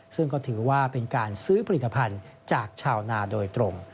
ซึ่งก็ถือว่าเป็นการซื้อผลิตภัณฑ์จากชาวนาโดยตรง